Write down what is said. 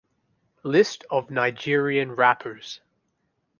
List of Nigerian rappers